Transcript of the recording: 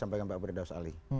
sampai dengan pak bredaus ali